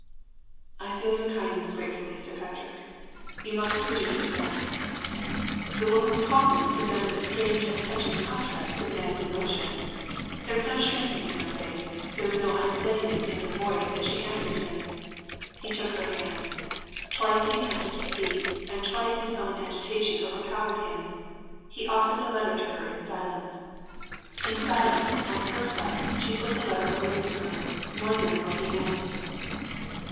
"I feel your kindness gratefully, Sir Patrick. You must produce it now." The woman's calmness presented a strange and touching contrast to the man's emotion. There was no shrinking in her face, there was no unsteadiness in her voice as she answered him. He took her hand. Twice he attempted to speak; and twice his own agitation overpowered him. He offered the letter to her in silence. In silence, on her side, she put the letter away from her, wondering what he meant.